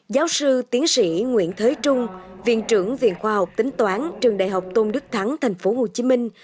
giáo sư tiến sĩ nguyễn thới trung viện trưởng viện khoa học tính toán trường đại học tôn đức thắng thành phố hồ chí minh